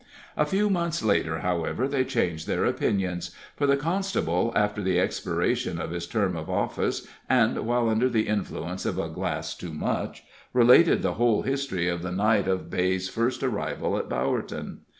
A few months later, however, they changed their opinions, for the constable, after the expiration of his term of office, and while under the influence of a glass too much, related the whole history of the night of Beigh's first arrival at Bowerton.